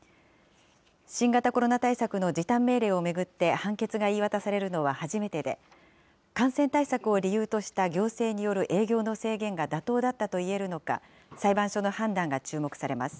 新型コロナ対策の時短命令を巡って判決が言い渡されるのは初めてで、感染対策を理由とした行政による営業の制限が妥当だったといえるのか、裁判所の判断が注目されます。